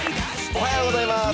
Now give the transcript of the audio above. おはようございます。